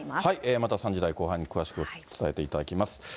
また３時台後半に詳しく伝えていただきます。